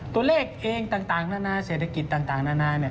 ตัวเลขเองต่างหน้าเศรษฐกิจต่างหน้า